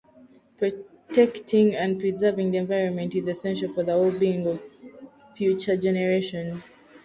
Protecting and preserving the environment is essential for the well-being of future generations.